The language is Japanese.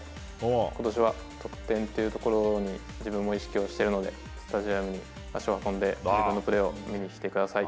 ことしは得点というところに、自分も意識をしているので、スタジアムに足を運んで、自分のプレーを見に来てください。